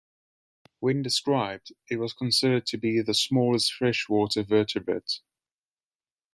When described, it was considered to be the smallest freshwater vertebrate.